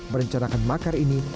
merencanakan makar ini